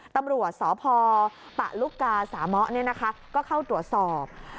ตำรวจสพปะลุกาสามะก็เข้าตรวจสอบ